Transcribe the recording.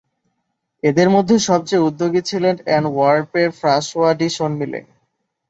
এদের মধ্যে সবচেয়ে উদ্যোগী ছিলেন অ্যান্টওয়ার্পের ফ্রাঁসোয়া ডি শোনমিলে।